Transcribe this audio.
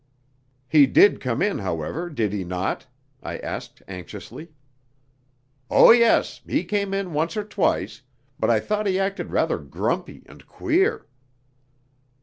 "He did come in, however, did he not?" I asked anxiously. "Oh, yes, he came in once or twice, but I thought he acted rather grumpy and queer."